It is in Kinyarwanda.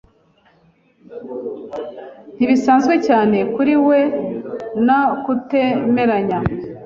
Ntibisanzwe cyane kuri wewe na kutemeranya.